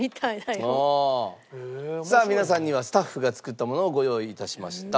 さあ皆さんにはスタッフが作ったものをご用意致しました。